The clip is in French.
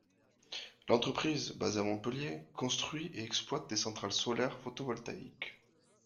L'entreprise, basée à Montpellier, construit et exploite des centrales solaires photovoltaïques.